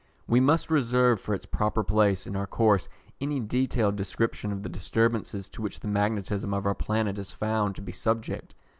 We must reserve for its proper place in our course any detailed description of the disturbances to which the magnetism of our planet is found to be subject.